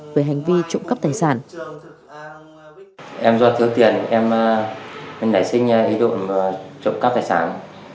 về hành vi trộm cắp tài sản